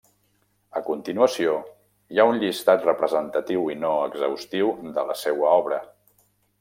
A continuació hi ha un llistat representatiu i no exhaustiu de la seua obra.